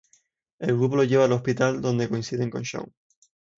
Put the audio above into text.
El grupo lo lleva al hospital donde coinciden con Shaun.